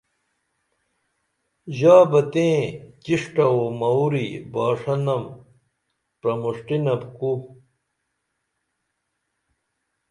ژابہ تیں ڇݜٹہ او موری باݜنم پرمُݜٹینپ کُو